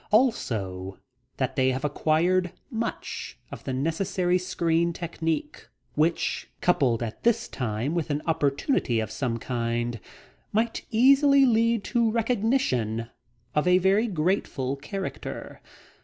Also that they have acquired much of the necessary screen technique which, coupled at this time with an opportunity of some kind, might easily lead to recognition of a very grateful character.